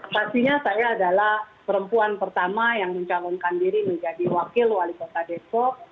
pastinya saya adalah perempuan pertama yang mencalonkan diri menjadi wakil wali kota depok